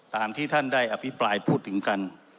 ตามที่ท่านได้อภิปรายพูดถึงกัน